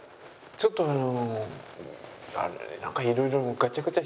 ちょっとあの。